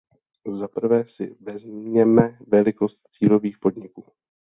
Zaprvé si vezměme velikost cílových podniků.